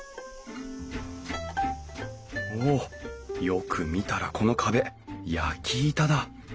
おっよく見たらこの壁焼板だ。